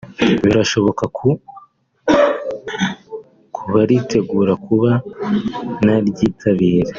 birashoboka ku baritegura kuba naryitabira